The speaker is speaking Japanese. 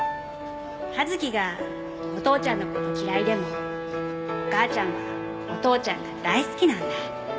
葉月がお父ちゃんの事嫌いでもお母ちゃんはお父ちゃんが大好きなんだ。